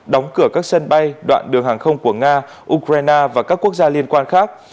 đóng cửa các sân bay đoạn đường hàng không của nga ukraine và các quốc gia liên quan khác